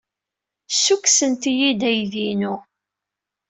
Ssukksent-iyi-d aydi-inu.